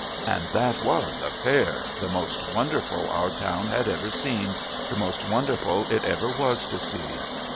And that was a Fair, the most wonderful our town had ever seen, the most wonderful it ever was to see!